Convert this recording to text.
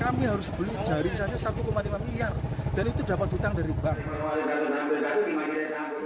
kami harus beli jari saja satu lima miliar dan itu dapat hutang dari bank